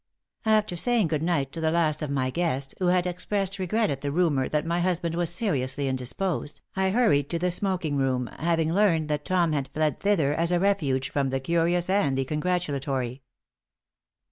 After saying good night to the last of my guests, who had expressed regret at the rumor that my husband was seriously indisposed, I hurried to the smoking room, having learned that Tom had fled thither as a refuge from the curious and the congratulatory.